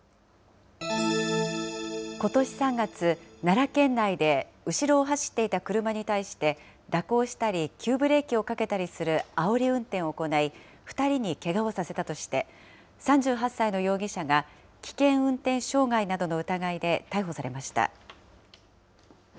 ことし３月、奈良県内で後ろを走っていた車に対して、蛇行したり、急ブレーキをかけたりするあおり運転を行い、２人にけがをさせたとして、３８歳の容疑者が危険運転傷害などの疑いで逮捕されました。